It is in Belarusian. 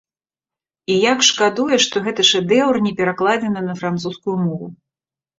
І як шкадуе, што гэты шэдэўр не перакладзены на французскую мову!